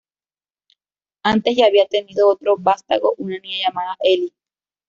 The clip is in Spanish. Antes ya habían tenido otro vástago, una niña llamada Eli.